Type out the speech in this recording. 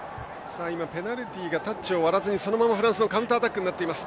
ペナルティーがタッチを割らずにそのままフランスのカウンターアタックになっています。